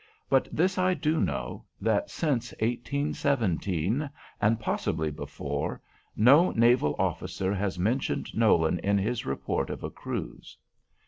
But this I do know, that since 1817, and possibly before, no naval officer has mentioned Nolan in his report of a cruise.